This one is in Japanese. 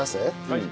はい。